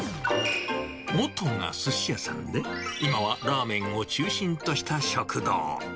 元がすし屋さんで、今はラーメンを中心とした食堂。